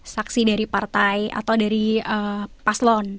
saksi dari partai atau dari paslon